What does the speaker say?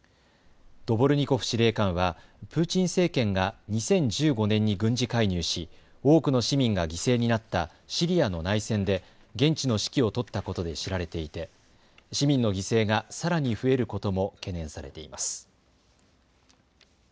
ドボルニコフ司令官はプーチン政権が２０１５年に軍事介入し多くの市民が犠牲になったシリアの内戦で現地の指揮を執ったことで知られていて市民の犠牲がさらに増えることも懸念されています。